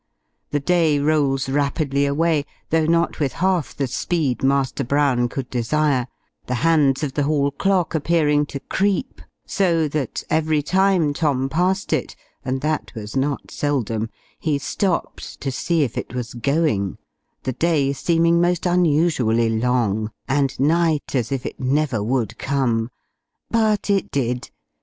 The day rolls rapidly away, though not with half the speed Master Brown could desire the hands of the hall clock appearing to creep so, that every time Tom passed it (and that was not seldom), he stopped to see if it was going, the day seeming most unusually long, and night as if it never would come; but it did!